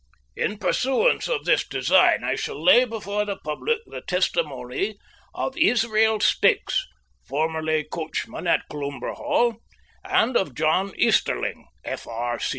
In pursuance of this design I shall lay before the public the testimony of Israel Stakes, formerly coachman at Cloomber Hall, and of John Easterling, F.R.